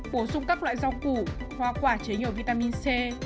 bổ sung các loại rau củ hoa quả chế nhiều vitamin c e